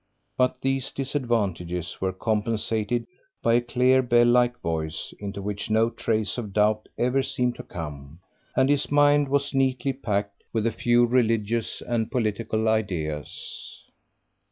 But these disadvantages were compensated by a clear bell like voice, into which no trace of doubt ever seemed to come; and his mind was neatly packed with a few religious and political ideas.